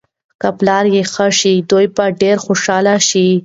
که پلار یې ښه شي، دوی به ډېر خوشحاله شي.